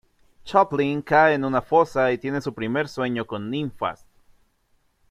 Chaplin cae en una fosa y tiene su primer sueño con ninfas.